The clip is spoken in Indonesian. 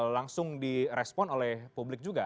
langsung di respon oleh publik juga